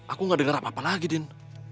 aku ga dengar apa apa lagi din